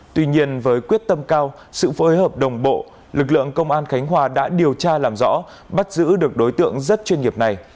tuy nhiên với quyết tâm cao sự phối hợp đồng bộ lực lượng công an khánh hòa đã điều tra làm rõ bắt giữ được đối tượng rất chuyên nghiệp này